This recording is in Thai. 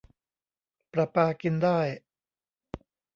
ประปากินได้